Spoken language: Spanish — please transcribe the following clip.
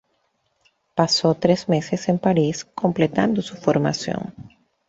Pasó tres meses en París completando su formación.